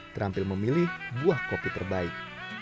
terampil memilih buah kopi terbaik